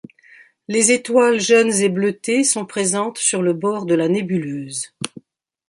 Les étoiles jeunes et bleutées sont présentes sur le bord de la nébuleuse.